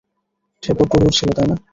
সে বড্ড রুঢ় ছিল, তাই না?